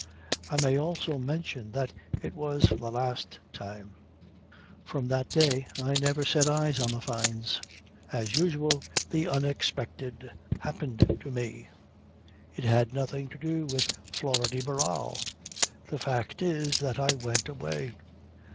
I may also mention that it was for the last time. From that day I never set eyes on the Fynes. As usual the unexpected happened to me. It had nothing to do with Flora de Barral. The fact is that I went away.